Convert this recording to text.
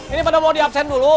ini pada mau di absen dulu